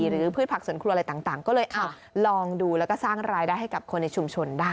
พืชผักสวนครัวอะไรต่างก็เลยลองดูแล้วก็สร้างรายได้ให้กับคนในชุมชนได้